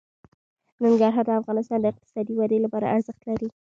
ننګرهار د افغانستان د اقتصادي ودې لپاره ارزښت لري.